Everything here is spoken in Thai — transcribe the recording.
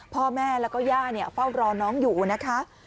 พ่อแม่แล้วก็ย่าเฝ้ารอน้องอยู่นะคะ